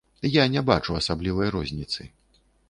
Я не бачу асаблівай розніцы.